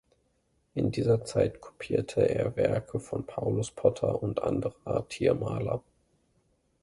In dieser Zeit kopierte er Werke von Paulus Potter und anderer Tiermaler.